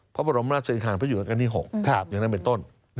พระบรมราชริหารพระอยู่ราชการที่๖อย่างนั้นเป็นต้น